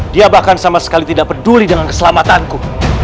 dia bahkan sama sekali tidak peduli dengan keselamatanku